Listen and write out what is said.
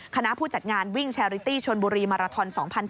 คณะผู้จัดงานวิ่งแชร์ริตี้ชนบุรีมาราทอน๒๐๑๘